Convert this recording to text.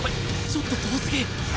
ちょっと遠すぎ